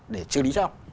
để xử lý cho ông